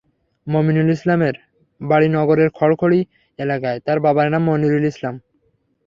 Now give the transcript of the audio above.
মোমিনুল ইসলামের বাড়ি নগরের খড়খড়ি এলাকায়, তাঁর বাবার নাম মনিরুল ইসলাম।